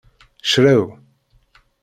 Crew.